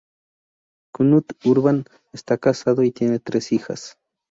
Knut Urban está casado y tiene tres hijas.